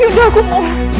yunda aku mohon